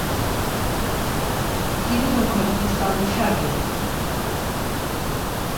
Quin és el codi postal de Xàbia?